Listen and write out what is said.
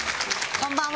こんばんは。